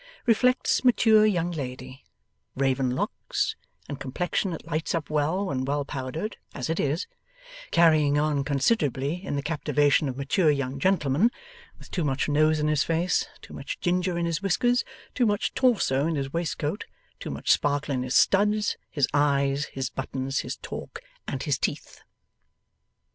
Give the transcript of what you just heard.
Reflects mature young lady; raven locks, and complexion that lights up well when well powdered as it is carrying on considerably in the captivation of mature young gentleman; with too much nose in his face, too much ginger in his whiskers, too much torso in his waistcoat, too much sparkle in his studs, his eyes, his buttons, his talk, and his teeth.